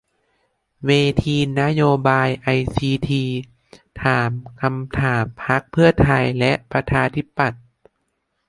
เวทีนโยบายไอซีที ถามฏำถามพรรคเพื่อไทยและประชาธิปัตย์